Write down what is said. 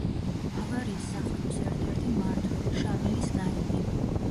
ავარიის სახანოს ერთ-ერთი მმართველი, შამილის ნაიბი.